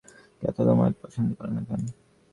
Cath তোমায় পছন্দ করে না কেন?